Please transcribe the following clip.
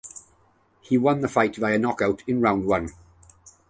He won the fight via knockout in round one.